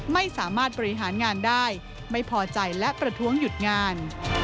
ไม่สามารถบริหารงานได้ไม่พอใจและประท้วงหยุดงาน